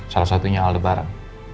salah satunya aldebaran